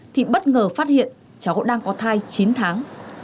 thì bất ngờ phát hiện cháu cũng đang có thai chín tháng